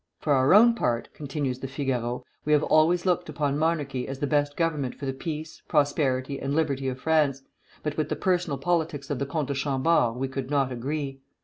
For our own part," continues the "Figaro," "we have always looked upon monarchy as the best government for the peace, prosperity, and liberty of France; but with the personal politics of the Comte de Chambord we could not agree.